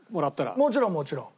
もちろんもちろん。